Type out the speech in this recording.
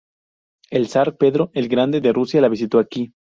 El zar Pedro el Grande de Rusia la visitó aquí.